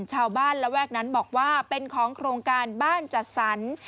ชาวบ้านระแวกนั้นบอกว่าเป็นของโครงการบ้านจัดสรร